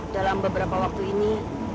dalam beberapa waktu ini